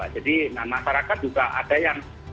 jadi masyarakat juga ada yang